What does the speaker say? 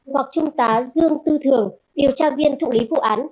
hoặc trung tá dương tư thường điều tra viên thụ lý vụ án